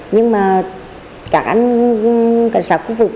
nhưng mà cảnh sát khu vực